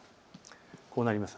こうなります。